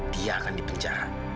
dia akan dipenjara